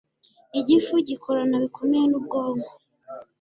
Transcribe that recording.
Igifu gikorana bikomeye nubwonko